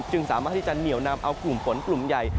สามารถที่จะเหนียวนำเอากลุ่มฝนกลุ่มใหญ่